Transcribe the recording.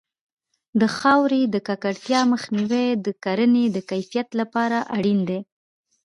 د خاورې د ککړتیا مخنیوی د کرنې د کیفیت لپاره اړین دی.